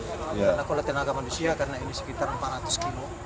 karena kalau tenaga manusia karena ini sekitar empat ratus kg